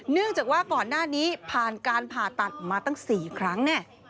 เนื่องจากว่าก่อนหน้านี้ผ่านการผ่าตัดมาตั้ง๔ครั้งเนี่ย